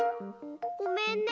ごめんね。